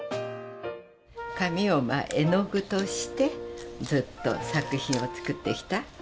紙を絵の具としてずっと作品を作ってきた。